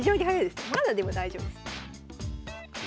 まだでも大丈夫です。